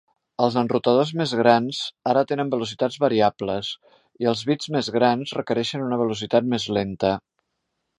Els enrutadors més grans ara tenen velocitats variables i els bits més grans requereixen una velocitat més lenta.